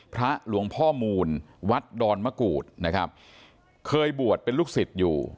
หลวงพ่อมูลวัดดอนมะกูดนะครับเคยบวชเป็นลูกศิษย์อยู่